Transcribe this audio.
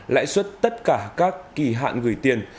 lãi suất tất cả các kỳ hạn gửi tiền